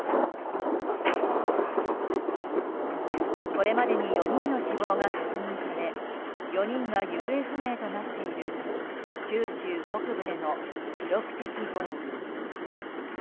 これまでに４人の死亡が確認され４人が行方不明となっている九州北部での記録的豪雨。